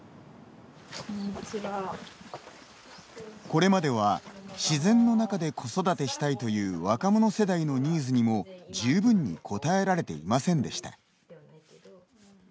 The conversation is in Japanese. これまでは、自然の中で子育てしたいという若者世代のニーズにも十分に応えられていませんでした。